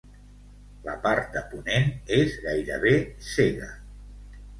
La part de ponent és gairebé cega.